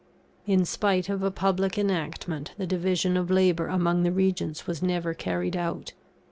In spite of a public enactment, the division of labour among the Regents was never carried out.